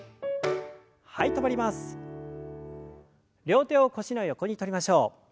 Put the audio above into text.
両手を腰の横にとりましょう。